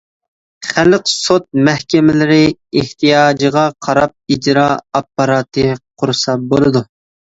خەلق سوت مەھكىمىلىرى ئېھتىياجغا قاراپ ئىجرا ئاپپاراتى قۇرسا بولىدۇ.